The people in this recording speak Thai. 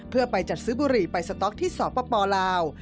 เพื่อไปจัดซื้อบุหรี่ไปสต๊อกที่สปลาว